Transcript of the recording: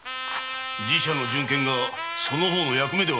寺社の巡見がその方の役目ではないのか。